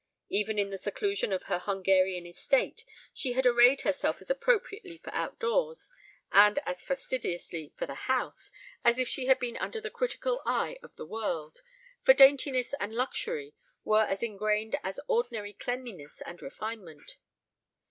Even in the seclusion of her Hungarian estate she had arrayed herself as appropriately for outdoors, and as fastidiously for the house, as if she had been under the critical eye of her world, for daintiness and luxury were as ingrained as ordinary cleanliness and refinement.